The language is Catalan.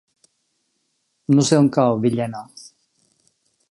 No sé on cau Villena.